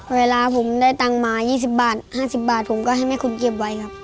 เวลาผมได้ตังค์มา๒๐บาท๕๐บาทผมก็ให้แม่คุณเก็บไว้ครับ